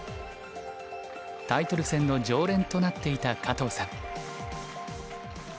タイトル戦の常連となっていた加藤さん。